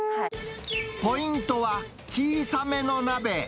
ポイントは、小さめの鍋。